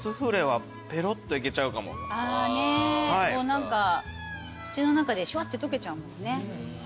何か口の中でシュワってとけちゃうもんね。